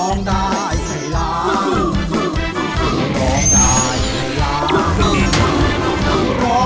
ร้องได้ให้ล้าน